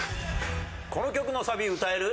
この曲のサビ歌える？